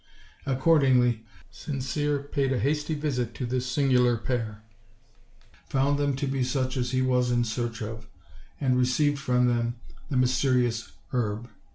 Ac cordingly, Severe paid a hasty visit to this singular pair, found them to be such as he was in search of, and re ceived from them the mysterious herb.